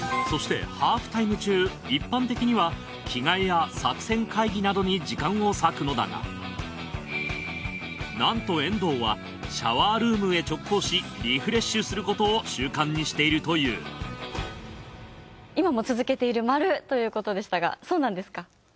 そしてハーフタイム中一般的には着替えや作戦会議などに時間を割くのだがなんと遠藤は習慣にしているという今も続けている○ということでしたがそうなんですか？